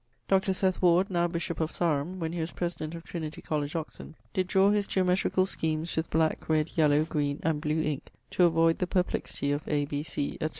Dr. Seth Ward, now bishop of Sarum, when he was president of Trinity College, Oxon, did draw his geometricall schemes with black, red, yellow, green, and blew inke to avoid the perplexity of A, B, C, etc.